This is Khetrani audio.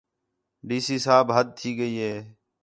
ڈی سی صاحب حد تھی ڳئی ہے